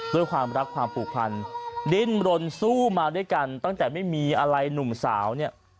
ด้วยความรักความผูกพันดิ้นรนสู้มาด้วยกันตั้งแต่ไม่มีอะไรหนุ่มสาวเนี่ย